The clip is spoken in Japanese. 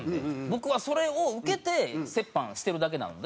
僕はそれを受けて折半してるだけなので。